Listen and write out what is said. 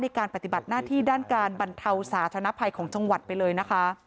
ปฏิบัติหน้าที่ด้านการบรรเทาสาธารณภัยของจังหวัดไปเลยนะคะ